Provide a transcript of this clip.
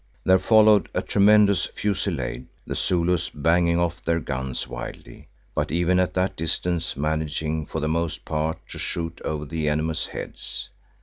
There followed a tremendous fusillade, the Zulus banging off their guns wildly, but even at that distance managing for the most part to shoot over the enemy's heads.